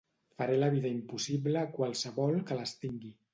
Faré la vida impossible a qualsevol que les tingui.